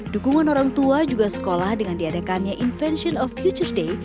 dukungan orang tua juga sekolah dengan diadakannya invention of future day